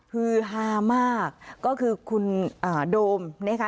ฮือฮามากก็คือคุณโดมนะคะ